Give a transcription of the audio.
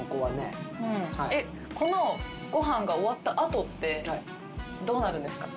このご飯が終わった後ってどうなるんですか？